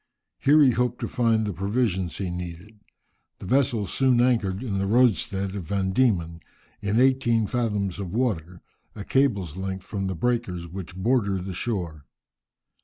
Here he hoped to find the provisions he needed. The vessels soon anchored in the roadstead of Van Dieman, in eighteen fathoms of water, a cable's length from the breakers which border the shore.